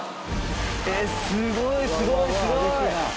えっすごいすごいすごい！